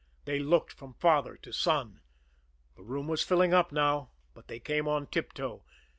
They looked from father to son. The room was filling up now but they came on tiptoe.